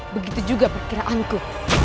begitu juga perkiraanku